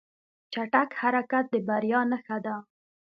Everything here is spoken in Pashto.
چټک حرکت د بریا نښه ده.